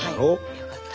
よかった。